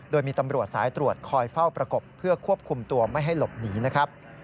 โดยมีตำรวจสายตรวจคอยเฝ้าประกบเพื่อควบคุมตัวไม่ให้หลบหนีนะครับ